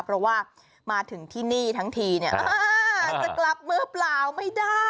เพราะว่ามาถึงที่นี่ทั้งทีเนี่ยจะกลับมือเปล่าไม่ได้